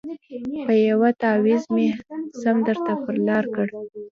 په یوه تعویذ مي سم درته پر لار کړ